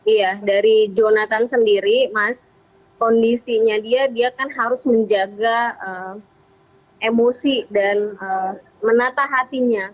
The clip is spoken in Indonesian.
iya dari jonathan sendiri mas kondisinya dia kan harus menjaga emosi dan menatahanku